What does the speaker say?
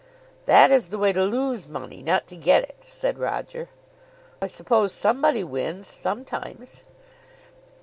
"That is the way to lose money, not to get it," said Roger. "I suppose somebody wins, sometimes."